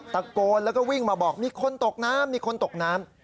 ตะโกนแล้วก็วิ่งมาบอกมีคนตกน้ำมีคนตกน้ำ